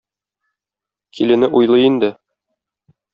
Килене уйлый инде